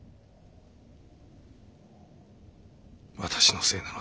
私のせいなのです。